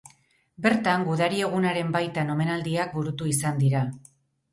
Bertan Gudari Egunaren baitan omenaldiak burutu izan dira.